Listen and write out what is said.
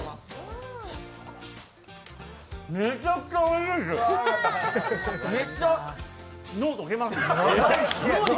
めちゃくちゃおいしいです、脳溶けます！